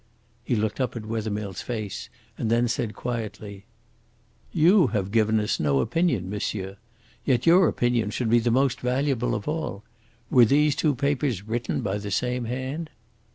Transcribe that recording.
He looked up at Wethermill's face and then said quietly: "You have given us no opinion, monsieur. Yet your opinion should be the most valuable of all. Were these two papers written by the same hand?"